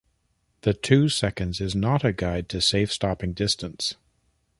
The two seconds is not a guide to safe "stopping" distance.